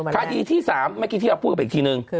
คดีที่๓ไม่คิดที่เราพูดออกไปอีกทีนึง